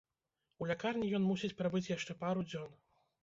У лякарні ён мусіць прабыць яшчэ пару дзён.